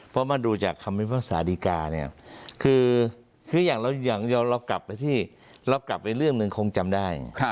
เพราะมาดูจากคำวิภาษาดีกาเนี่ยคืออย่างเรากลับไปเรื่องหนึ่งคงจำได้